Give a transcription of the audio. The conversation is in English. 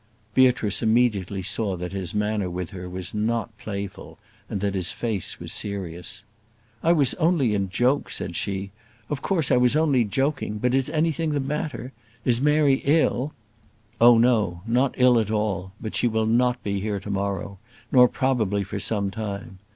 Beatrice immediately saw that his manner with her was not playful, and that his face was serious. "I was only in joke," said she; "of course I was only joking. But is anything the matter? Is Mary ill?" "Oh, no; not ill at all; but she will not be here to morrow, nor probably for some time.